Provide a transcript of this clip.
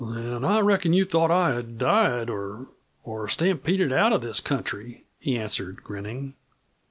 "Then I reckon you thought I had died, or stampeded out of this country?" he answered, grinning.